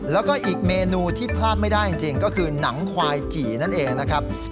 แล้วก็อีกเมนูที่พลาดไม่ได้จริงก็คือหนังควายจี่นั่นเองนะครับ